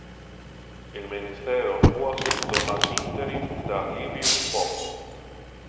Il ministero fu assunto ad interim da Liviu Pop.